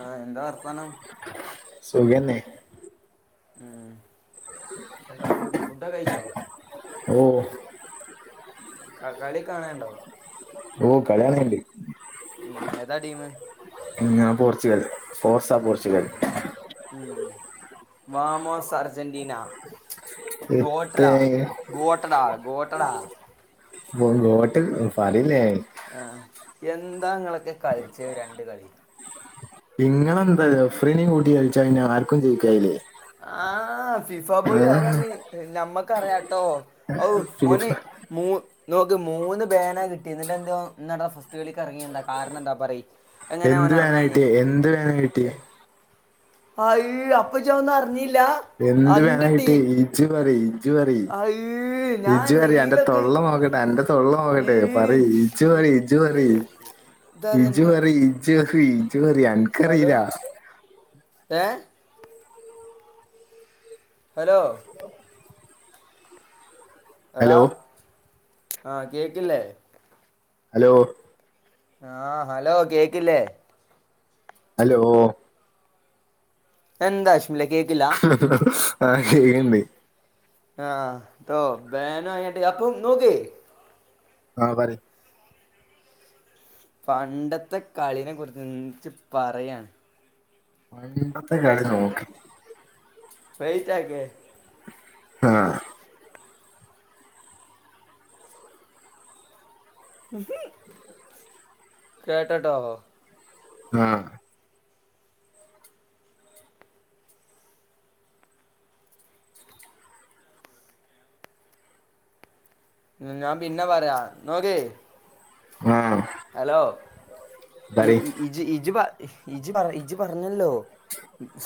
ആ എന്താ വർത്താനം സുഖെന്നെ ഉം. എന്താ ഫുഡ് ഫുഡൊകഴിച്ചോ? ഓ.. ക കളി കാണാന്ണ്ടോ? ഓ.. കളിയാണല്ണ്ട്. ഉം ഏതാ ടീമ്? ഞാൻ പോർച്ചുഗൽ ഫോർസ പോർച്ചുഗൽ. ഉം ഉം. വാമോസ് അർജന്റീന. എത്തെ ഗോട്ടടാ ഗോട്ടടാ ഗോട്ടടാ ഗോട്ട്.. പറില്ല ഞാൻ ആഹ എന്താ ഇങ്ങളൊക്കെ കളിച്ചത് രണ്ട്കളി ഇങ്ങള് എന്താ റഫ്രീനിം കൂട്ടി കളിച്ചാൽ പിന്നെ ആർക്കും ജയിക്കാൻ കഴിയില്ലേ ആ ഫിഫാ ബോയി ആരാന്ന് ഞമ്മക്കറിയാട്ടോ ഔ ഫിഫ ഓന് മൂ നോക്ക് മൂന്ന് ബേന കിട്ട്യാത് ന്നിട്ട്ന്ത്യേ ഓൻ ന്നട്ട് ഫസ്റ്റ് കളിക്ക് ഇറങ്ങി എന്താ കാരണം എന്താ പറയ് എങ്ങനെ എന്ത് ഓന് വേനായിട്ട്, ഇറങ്ങായിന് എന്ത് വേനായ്ട്ട്? ആയ്... അപ്പ ഇജ് അതൊന്നും അറിഞ്ഞില്ല? എന്ത് അന്റെ ടീ വേനായിട്ട് ഇജ്ജ് പറയ് ഇജ്ജ് പറയ് അയ്യോ ഞാൻ ഇജ്ജ് പറയ് അന്റെ റീലൊക്കെ തൊള്ള നോക്കട്ടെ അന്റെ തൊള്ള ഈ ന്നോക്കട്ടെ പറയ് ഇജ്ജ് ഈ- പറയ് ഇജ്ജ് പറയ് എന്താ പറയാ ഇജ്ജ് എനിക്ക് പറയ് ഇജ്ജ് പറയ് ഹലോ അൻക്കറിയില്ല. ഏ.. ഹലോ. എടാ ഹലോ ആ കേൾക്കില്ലേ? അലോ ആഹ് ഹലോ കേക്കില്ലേ? അലോ. എന്താ അശ്മിലെ കേക്കില്ല. ആഹ് കേക്ണ്ട് ആഹ് ട്ടോ ബേനായട്ട് അപ്പം നോക്ക് ആഹ് പറി പണ്ടത്തെ കളിനെ കുറിച്ച് ച്ച് പറയാണ്. പണ്ടത്തെ കളി നോക്ക വെയിറ്റാക്കെ ആഹ് കേട്ടട്ടോ ആഹ് ഉം ഞാൻ പിന്നെ പറയാ നോക്ക് ആഹ് ഹലോ ഇ ഈ ഇജ് ഇജി ഇജി പറ ഇജി പറഞ്ഞല്ലോ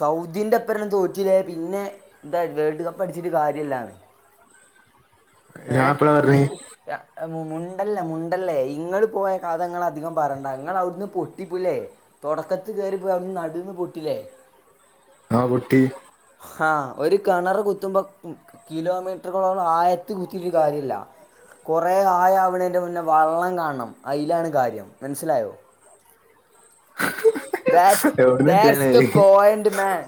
സൗദിന്റെ അപ്പറണം തോറ്റില്ലെ പിന്നെ എന്ത വേൾഡ് കപ്പ്ടിച്ചിട്ട് കാര്യല്ലാന്ന് ഞാൻ എപ്പളാ പറഞ്ഞെ യ എഹ് മു മുണ്ടല്ലേ മുണ്ടല്ലേ ഇങ്ങൾ പോയ കഥങ്ങള് അധികം പറയണ്ട നിങ്ങളവിടുന്ന് പൊട്ടിപ്പുല്ലേ തൊടക്കത്തി കേറിപ്പോയി അവിടന്ന് നടുന്ന് പൊട്ടില്ലേ ആഹ് പൊട്ടി ആഹ് ഒരു കിണർ കുത്തുമ്പോ കിലോമീറ്ററുകളോളം ആയത്തി കുത്തിയിട്ട് കാര്യല്ല കുറേ ആയാവ്ണേൻ്റെ മുന്നെ വള്ളം കാൺണം അയിലാണ് കാര്യം മനസ്സിലായോ ആ that's that's the point man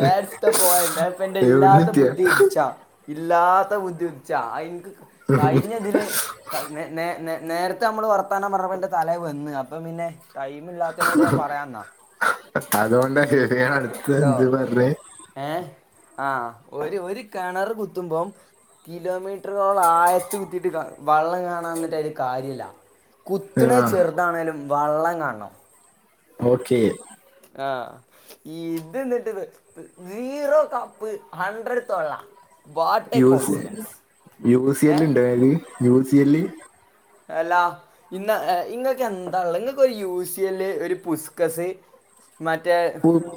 that's the point അത്പ്പൊ എന്റെ എവിടുന്ന് ഇല്ലാത്ത ഇട്ടിയ ബുദ്ധി ഉദിച്ചാ ഇല്ലാത്ത ബുദ്ധിദിച്ചാ അയിനിക്ക് കഴിഞ്ഞതില് കഹ്ന്നെ നേ നേ നേ നേരത്തെ അമ്മള് വർത്താനം പറഞ്ഞപ്പോ എന്റെ തലെ വന്ന് അപ്പം പിന്നെ ടൈം ഇല്ലാത്തെയിനോട് ഞാൻ പറയാന്നാ അതുകൊണ്ടാ ഞാ അടുത്ത് എന്ത് പറഞേ ഏഹ് ആഹ് ഒരു ഒരു കിണറ് കുത്തുമ്പം കിലോമീ റ്ററോളം ആയത്ത് കുത്തിട്ട് വള്ളം കാണാന്നിട്ട് ഒരു കാര്യല്ല കുത്ത്ണെ ആ ചെറു താണെേലും വള്ളം കാൺണം ഓക്കേ ആഹ് ഇത് ന്നിട്ട്ത് സീറോ കപ്പ് ഹണ്ട്രഡ് തൊള്ള വാട്ടെ U C confidence U C യെല്ല് ഉണ്ടായാല് യു സി എല്ല് അല്ലാ ഇന്ന ഇങ്ങക്ക് എന്താ ഇള്ളെ ഒരു യൂ സി ല് ഒരു പുസ്ക്കസ് മറ്റേ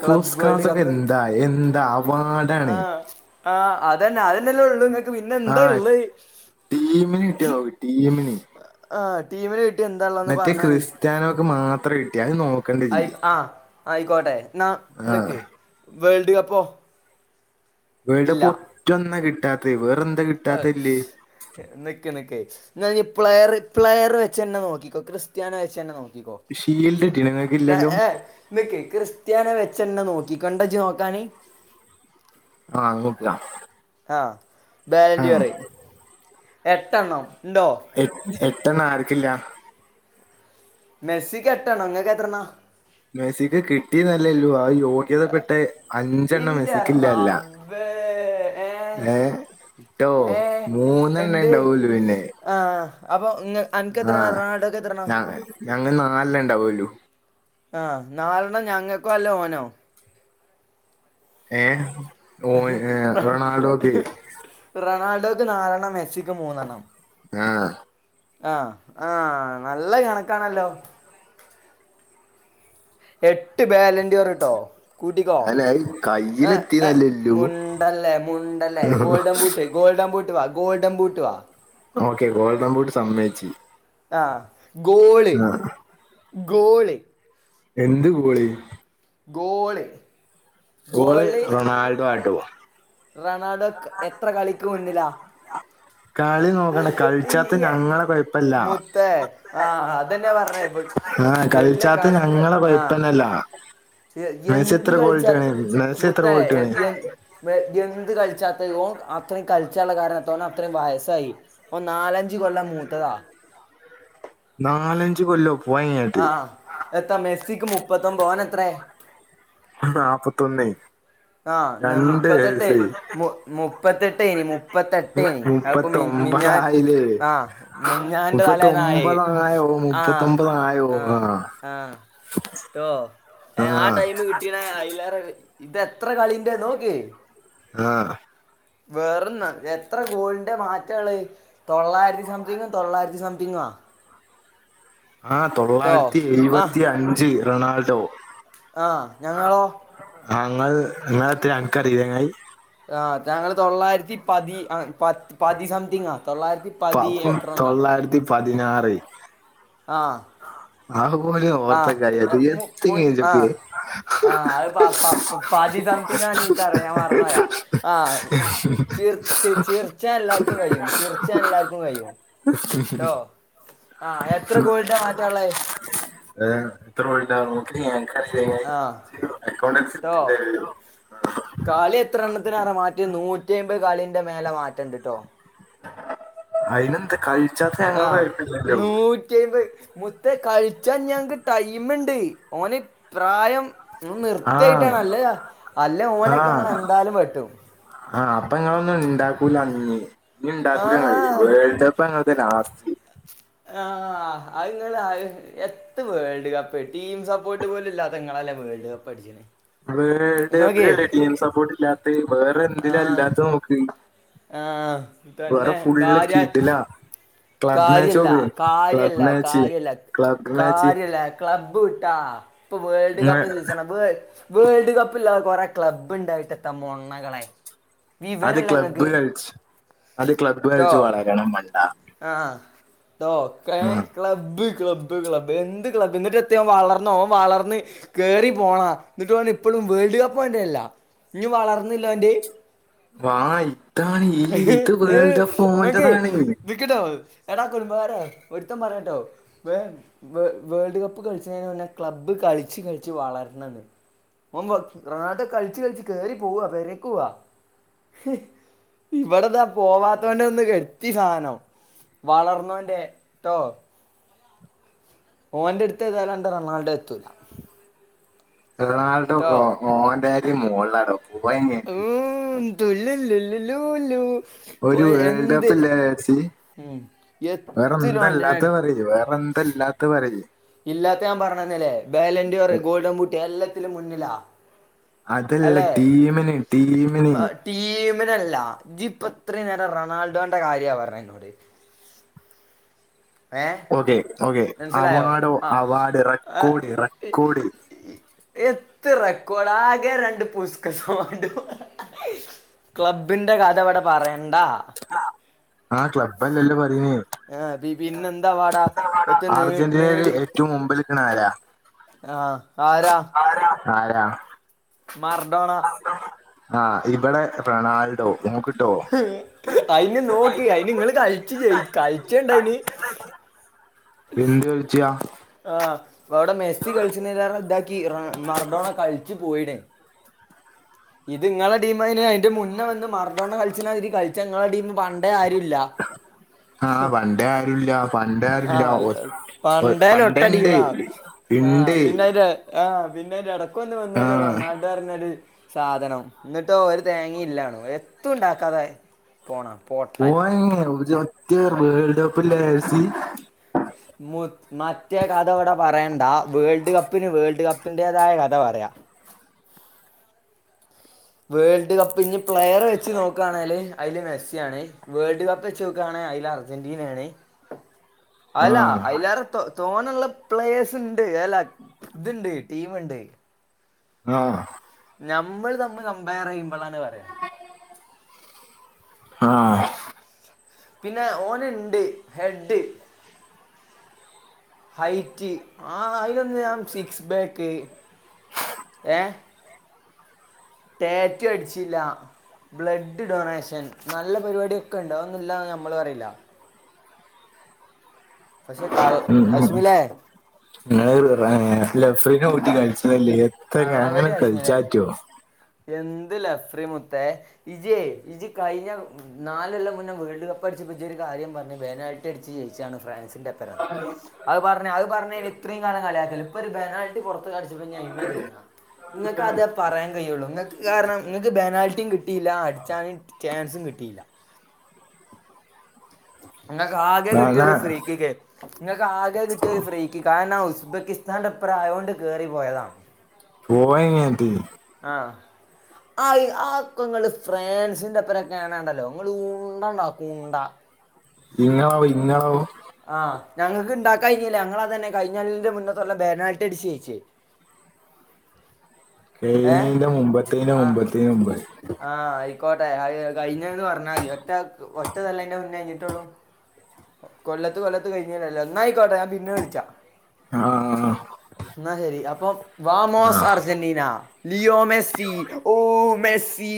ക്ലബ്ബ് പുസ്കാസ് വേൾഡ് ഒക്കെ കപ്പ് എന്താ എന്താ അഹ് അവാർഡാണ് ആഹ് ആഹ് അതെന്നെ അതെന്നെല്ലേള്ളൂ ഇങ്ങ ആഹ് ടീമിന് കിട്ടിയോ ടീമിന് ആഹ് ടീമിന് കിട്ടിയേ എന്താള്ളോന്ന് പറഞ്ഞാണീ ത്യാനോക്ക് മാത്രാ കിട്ടിയെ അഹ് നോ അയി ആഹ് ആയിക്കോട്ടെ ന്നാ ആ നിക്ക് വേൾഡ് കപ്പോ വേൾഡ് കപ്പൊറ്റൊന്നാ കിട്ടാത്തെ വെറെന്നും ആഹ് നിക്ക് നിക്ക് എന്നാ പ്ലെയർ പ്ലെയർ വെച്ചെന്നെ നോക്കിക്കോ ക്രിസ്ത്യാനോ വെച്ചെന്നെ നോ ഷീൽഡ് കിട്ടി നിങ്ങൾക്കില്ലല്ലോ [unintelligible] നിക്ക് ക്രിസ്ത്യാനോ വെച്ചെന്നെ നോക്കിക്കൊണ്ടെജ് നോക്കാന് ആഹ് നോക്കാ ആഹ് ബാരെണ്ടി പറയ് എട്ടെണ്ണം ആണ്ടോ എ എട്ടെണ്ണം ആർക്കില്ലെ മെസ്സിക്ക് എട്ടെണ്ണം ഇങ്ങക്കെത്രണ്ണാ മെസിക്ക് കിട്ടിന്നല്ലെലൂ ആ യോ ഗ്യതപ്പെട്ടെ അഞ്ചെണ്ണം ഇന്റെ മെസ്സിക്കില്ലല്ല റബ്ബേ ഏ ഏഹ് ട്ടോ മൂന്നെണ്ണെ ഉണ്ടാവൂള്ളു പിന്നെ ആഹ് അപ്പൊ ഇങ്ങ അൻക്ക് ആ എത്രണ്ണ റൊണാൾഡോക്കെത്രണ്ണ ഞ- ഞങ്ങ നാലെണ്ണെ ഇണ്ടാവെല്ലൂ ആഹ് നാലണ്ണം ഞങ്ങക്കോ അല്ലെ ഓനോ? ഏഹ് ഓ ഏ റൊണാൾഡോക്ക്. റൊണാൾഡോക്ക് നാലെണ്ണം മെസ്സിക്ക് മൂന്നെണ്ണം. ആഹ്. ആഹ് ആഹ് നല്ല കണക്കാണല്ലോ. എട്ട് ബാലൻ [unintelligible] ട്ടോ കൂട്ടിക്കോ അല്ല അത് എ എ കയ്യിലെത്തിയെന്നല്ലല്ലോ മുണ്ടല്ലേ. മുണ്ടല്ലേ ഗോൾഡൻ ബൂട്ട് ഗോൾഡൻ ബൂട്ട് വാ ഗോൾഡൻ ബൂട്ട് വാ. ഓക്കെ ഗോൾഡം ബൂട്ട് സമ്മയ്ച്ചു. ആഹ് ഗോള് ഗോള്. എന്ത് ഗോള്. ഗോള്. ഗോള് റൊണാൾഡോ ആട്ടോ. റൊണാൾഡോ എത്ര കളിക്ക് മുന്നില. കളി നോക്കണ്ട ഈ കൾച്ചാത്ത ഈ ഞങ്ങളെ കൊയ്പ്പല്ല. മുത്തേ ആഹ് അതന്നെ പറഞ്ഞേ ആഹ് വലിയ കൾച്ചാത്ത കാണ ഞങ്ങളെ ആഹ് കൊയപ്പല്ലെല്ലാ. എന്ത് കളിച്ചാ മെസ്സി എത്ര മുത്തേ ഗോൾ എ ഇട്ടാണ് എ എന്ത് കൾച്ചാത്തേ ഓൻ അത്രീം കൾച്ചാള്ള കാരണത്ത ഓനത്രയും വായസ്സായി. ഓ നാലഞ്ച് കൊല്ലം മൂത്തതാ. നാലഞ്ച് കൊല്ലോ? പോയിട്ട് ആഹ് എത്ത മെസ്സിക്ക് മുപ്പത്തൊമ്പത് ഓനെത്ര. നാപ്പത്തൊന്നെ ആഹ് മുപ്പത്തെട്ട് മു മുപ്പത്തെട്ട്നി മു- മുപ്പത്തെട്ടേനി. അത്പ്പ മി മിഞ്ഞാൻ മുപ്പത്തൊമ്പതായില്ലേ ആഹ് മിഞ്ഞാന്റെ തലേന്നായി മുപ്പത്തൊമ്പതായോ ആഹ് മുപ്പത്തൊമ്പതായോ ആ ആഹ് ആഹ് ആഹ് ട്ടോ ആ ആഹ് ടൈം കിട്ടീന അയ്ലാറെ ഇത. ത്രെ കളിന്റെ നോക്. ആഹ്. വെറന്ന് എത്ര ഗോളിന്റെ മാറ്റള്ളത്. തൊള്ളായിരത്തി സംതിങ്ങ് തൊള്ളായിരത്തി സംതിങ്. ആഹ് ട്ടോ തൊള്ളായിരത്തി ആഹ് ഇഴ്പത്തി അഞ്ച് റൊണാൾഡോ. ആഹ് ഞങ്ങളോ. ആഹ് ങ്ങൾ ങ്ങൾ എത്ര്യാ അൻക്കറീലേ ചെങ്ങായി. ആഹ് ഞങ്ങൾ തൊള്ളായിരത്തി പതി ആ പത് പതി സംതിങ്ങാ. തൊള്ളായിരത്തി പ പതി എത്രോ ന്നാ. തൊള്ളായിരത്തി പതിനാറ്. ആഹ്. അത് പോലും ഓർത്ത ആഹ് കാര്യ അത് മു മു എത്തിങ്ങ ഇജൊക്കെ ആഹ് ആഹ് അഹ് പ പ്പ പ്പ. പതി സംതിങ്ങാണ് ഇൻക്കറിയ ഞാൻ മറന്നോയതാ ആഹ്. ചീർ ചീർച്ചാൻ എല്ലാർക്കും കഴിയും ചീർച്ചാൻ എല്ലാർക്കും കഴിയും. ട്ടോ ആഹ് എത്ര ഗോൾന്റെ മാറ്റള്ളത്. ഏ എത്ര ഗോളിന്റാ നോക്കിട്ടിയ ഞാൻ ന്ക് അറീലെ ആഹ് ങ്ങിയി അക്കൗണ്ടൻസി ട്ടോ ഇട്ത്ത്ട്ട് കളി എത്ര എണ്ണത്തിനറിയോ മാറ്റം നൂറ്റി അൻമ്പത് കളിൻ്റെ മേലെ മാറ്റണ്ട്ട്ടോ. അയ്നെന്താ കൾ ആഹ് നൂറ്റയ്മ്പത്. മുത്തെ കളിച്ചാൻ ഞ് ഞങ്ങക്ക് ടൈമ്ണ്ട് ഓന് പ്രായം. ങ്ങള് ആഹ് നിർത്തായിട്ടാണ് അല്ലന്നെ അല്ലെ ഓനൊക്കെ ആഹ് ഞങ്ങള് എന്തായാലും വെട്ടും. ആഹ് അപ്പൊ ഇങ്ങളൊന്നും ഇണ്ടാക്കൂല അന്ന് ഇഞ് ആ ഇണ്ടാക്കൂലങ്ങള് വേൾഡ് ക പ്പങ്ങൾതാ ലാസ്റ്റ്. ആ ഹ് അത്ങ്ങള് ആയി എ ത്ത് വേൾഡ് കപ്പ് ടീം സപ്പോർട്ട് പോലും ഇല്ലാത്തങ്ങളല്ലെ വേൾഡ് കപ്പ് അടിച്ച്ണ് വേൾഡ് കപ്പിലല്ലേ ടീം സപ്പോർട്ട് ഇല്ലാത്തെഹ് വേറെ എന്തിലാ ഇല്ലാത്തെ നോക്ക്. ആഹ് വേറെ തന്നെ ഫുള്ള് കാര്യാ കിടിലാ ക്ലബ് മാച്ച് കാര്യല്ല നോക്ക് കാര്യല്ല ക്ലബ് മാച്ച് കാര്യല്ല ക്ലബ് മാച്ച് കാര്യല്ല ക്ലബ്ബ് വിട്ടാ ഇപ്പൊ വേൾഡ് ഇങ്ങ് കപ്പ് സീസണാ വേ വേൾഡ് കപ്പ് ഇല്ലാതെ കൊറേ ക്ലബ്ബ് ഉണ്ടായിട്ടെത്തെ മൊണ്ണകളെ അദ്യം വിവരല്ല ക്ലബ് നിങ്ങക്ക് ല് കൾച്ച് ആദ്യം ക്ലബ്ബ് കൾച്ച് വളരണം മണ്ടാ ആഹ് ട്ടോ ക്കേ ക്ലബ് ക്ലബ് ക്ലബ് എന്ത് ക്ലബ് എന്നിട്ട് എത്ത് ഓൻ വളർന്നോ ഓൻ വളർന്ന് കേറി പോടാ ന്നിട്ട് ഓന് ഇപ്പളും വേൾഡ് കപ്പ് ഓന്റെ അല്ല. ഇഞ് വളർന്നില്ലെ ഓന്റെ വാ ഇത്താണ് ഈ ഇത് വേൾഡ് കപ്പ് ഓന്റെ താണ്. വിക്ക്ട്ടോ അഹ് എടാ കൊടുംമ്പാറെ ഒരുത്തൻപറഞ്ഞെട്ടോ വേ വേ വേൾഡ് കപ്പ് കൾച്ച്ണിന് മുന്നെ ക്ലബ് കൾച്ച് കൾച്ച് വളര്ണം ന്ന്. ഓൻ വെ റെണാൾഡോകൾച്ച് കൾച്ച് കേറി പോവാ പെരേയ്ക്കോവാ. ഹ് ഇവിടെ ദാ പോവാത്തോന്റെ ഒന്ന് കെട്ടി സാനം. വളർന്നോന്റെ ട്ടോ ഓന്റെ എട്ത്ത് ഏതായാലും അന്റെ റൊണാൾഡോ എത്തൂല്ല. ട്ടോ റൊണാൾഡോക്കെ ഓന്റാരിം മോൾളാടോ പോയേ അങ്ങട്ട്. ട്ടുല്ലു ല്ലുല്ലു ലു ഒരു വേൾഡ് കപ്പ് ഇല്ലാരാച്ച് എത്തിലും വേറെന്താ ഓന്റെ ഇല്ലാത്തെപറയ് ജ്ജ്‌ വേറെ എന്താ ഇല്ലാത്തെ പറ്യേ ഇജ്ജ് ഇല്ലാത്തെഹ് ഞാൻ പർഞ്ഞെന്ന്ല്ലെ ബാലന്റ്യൂർ, എ- ഗോൾഡൻ ബൂട്ട്, എല്ലാത്തിലും മുന്നിലാ. അതല്ല അല്ലേ ടീമിന് ടീമിന് മ- ടീമിനല്ല ജ്ജ്‌പ്പ ഇത്രയും നേരം റൊണാൾഡോന്റെ കാര്യാ പറഞ്ഞത് ഇന്നോട്. ഓക്കെ ഓക്കേ മനസ്സിലായോ അവാഡോ ആ അവാർഡ് റെക്കോർഡ് റെക്കോർഡ് എത്ത് റെക്കോർഡ് ആകെരണ്ട് പുസ്കസോണ്ട് ക്ലബ്ബിന്റെ കഥ ഇവടെ പറെണ്ട. ആഹ് ആഹ് ക്ലബ്ബല്ലല്ലോ പറയ്ന്ന് ആ പി പിന്നെന്തവാടാ എത്തെ നെ അർജന്റീനയിൽ നേടി ഏറ്റവും മുമ്പിൽ നിൽക്കണ ആരാ ആഹ് ആരാ? ആരാ? മർ- ആഹ് ഇവിടെ റൊണാൾഡോ നമ്മുക്ക് അയിന് നോക്കി അയിന് നിങ്ങള് കൾ ച്ചു ജയ് കൾച്ചണ്ടയിന്. എന്ത് കൾ ച്ചിയാ? ആ ഇവിടെ മെസ്സി കളിച്ചണ് ലേറ താക്കി മറഡോണ കളിച്ചു പോയിണ് ഇത് നിങ്ങളെ ടീംന് അതിന്റെ മുന്നേ വന്ന് മറഡോണ കളിച്ച മാതിരി കളിച്ച നിങ്ങള ടീം പണ്ടേ ആരും ഇല്ല. ആ പണ്ടേ ആരുല്ല. പണ്ടേ ആ ആരുല്ല ഒ ഒ പണ്ടേ ലെട്ട പണ്ടേണ്ട് ടീമാ ആഹ് ഇണ്ട് പിന്നെതിന്റെ ആഹ് പിന്നെ ഇടക്ക ഒന്ന് വന്നൊരു ആഹ് റൊണാൾഡോറഞാല് സാധനം എന്നിട്ട് ഒരു തേങ്ങ ഇല്ലാണ് എത്തും ഉണ്ടാക്കാതെ പോണാപോ പോയേങ്ങ ഒരു ഒറ്റ വേൾഡ് കപ്പില്ല മെ സി മു മറ്റേ കഥ ഇവിടെ പറയണ്ട വേൾഡ് കപ്പിന് വേൾഡ് കപ്പിന്റേതായ കഥ പറയാം. വേൾഡ് കപ്പ് ഇനി പ്ലെയർ വെച്ച് നോക്കുകയാണെല് അതില് മെസ്സിയാണ്. വേൾഡ് കപ്പ് വെച്ച് നോക്കുകാണ് അതില് അർജന്റീന ആണ്. അല്ല ആഹ് അതിലറെ തോ തോനള്ള പ്ലേയേഴ്സ് ഉണ്ട് അല്ല ഇതുണ്ട് ടീമ്ണ്ട്. ആ നമ്മൾ തമ്മിൽ കമ്പയർ ചെയ്യുമ്പോളാ ണ് പറയണേ. ആഹ് പിന്നെ ഓന്ണ്ട് ഹെഡ് ഹൈറ്റ് ആഹ് അതിലൊന്ന് ഞാൻ സിക്സ് ബാക്ക് ഏഹ് ടാറ്റൂ അടിച്ചില്ല ബ്ലഡ് ഡൊണേഷൻ നല്ല പരിപാടിയൊക്കണ്ട് അ വുന്നില്ലാന്ന് നമ്മള് പറയില്ല പക്ഷേ കൾ അശ്മിലെ ഇങ്ങളൊരു റാ ലഫ്രീനെ ക കൂട്ടി കളിച്ചതല്ലേ എത്ര അങ്ങനെ കള്ളവടി ആശ്മലേ കളിച്ചാറ്റോ എന്ത് ലഫ്രി മുത്തേ ഇജേ ഇജ് കഴിഞ്ഞ നാല്‌ല്ലം മുന്നേ വേൾഡ് കപ്പ് അടിച്ച്പ്പ ജ് ഒരു കാര്യം പറഞ്ഞ് ബെനാൽട്ടി അടിച്ച് ജയിച്ചാണ് ഫ്രാൻസിന്റെ പ്പരം അത് പറഞ്ഞ അത് പറഞ്ഞേന് ഇത്രയും കാലം കളിയാക്കല് ഇപ്പൊര് പെനാൾട്ടി പൊറത്ത് അടിച്ചപ്പോ ഇനി അതീമേ തൂങ്ങാ നിങ്ങക്ക് അതെ പറയാൻ കഴിയുള്ളൂ നിങ്ങക്ക് കാരണം നിങ്ങക്ക് ബെനാൽറ്റിയും കിട്ടീല്ല അടിച്ചാലും ചാൻസും കിട്ടീല്ല നിങ്ങക്ക് ആകെ ആന്നാ കിട്ടിയത് ഫ്രീകിക്കെ നിങ്ങക്ക് ആകെ കിട്ടിയത് ഒരു ഫ്രീകിക്കാ കാരണം ഉസ്ബെക്കിസ്ഥാന്റെ പ്രായോണ്ട് കേറി പോയതാണ് പോയ ങ്ങെ ഇജ് ആഹ് അത് ആ അക്കങ്ങള് ഫ്രാൻസിന്റെ അപ്പനെ ക്കാണാണ്ടല്ലോ ഇങ്ങള് ഉണ്ട ഒണ്ടാക്കും ഉണ്ട ഇങ്ങളാവോ ഇങ്ങളാവോ ആഹ് ഞങ്ങക്ക് ഇണ്ടാക്കാ കഴിഞ്ഞില്ലേ ഞങ്ങളത് തന്നെ കഴിഞ്ഞ കളീൻ്റെ മുന്നത്തൊല്ലം ബേനാൽട്ടി അടിച്ച് ജയിച്ച് ഏഹ് കയ്ഞ്ഞീന്റെ മുമ്പത്തേന്റെ ആഹ് മുമ്പത്തേന്റെ മുമ്പ് പറി ആഹ് അയിക്കോട്ടെ അത് കഴിഞ്ഞന്ന് പറഞ്ഞാതി ഒറ്റ ഒറ്റതല്ല അയ്ന്റെ മുന്നേ കഴിഞ്ഞിട്ടുള്ളൂ കൊല്ലത്ത് കൊല്ലത്ത് കഴിഞ്ഞില്ലല്ലോ ന്നായിക്കോട്ടെ ഞാൻ പിന്നെ വിളിച്ചാ ആഹ് ന്നാ ശരി അപ്പോം വാമോസ് ആഹ് അർജെന്റീന ലിയോ മെസ്സി ഓ മെസ്സി